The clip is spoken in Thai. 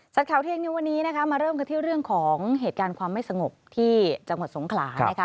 ชัดแก่เที่ยววันนี้นะครับมาเริ่มคือเรื่องของเหตุการณ์ความไม่สงบที่จังหวัดสงขรา